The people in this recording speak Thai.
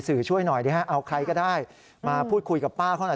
ช่วยหน่อยดิฮะเอาใครก็ได้มาพูดคุยกับป้าเขาหน่อย